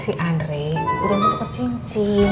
si andre udah muntah percincin